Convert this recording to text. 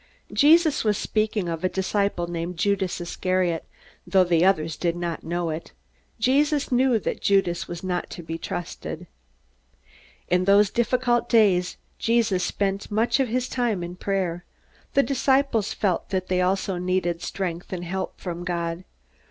He was speaking of a disciple named Judas Iscariot, though the others did not know it. Jesus knew that Judas was not to be trusted. In those difficult days Jesus spent much of his time in prayer. The disciples felt that they also needed strength and help from God.